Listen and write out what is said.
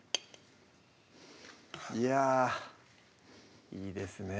いやいいですね